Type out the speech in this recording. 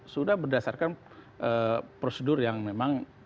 sudah berdasarkan prosedur yang memang